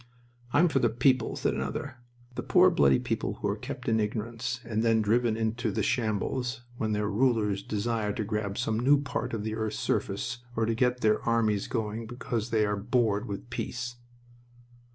"I'm for the people," said another. "The poor, bloody people, who are kept in ignorance and then driven into the shambles when their rulers desire to grab some new part of the earth's surface or to get their armies going because they are bored with peace."